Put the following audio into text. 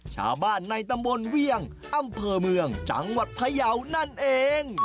ชาวบ้านในตำบลเวี่ยงอำเภอเมืองจังหวัดพยาวนั่นเอง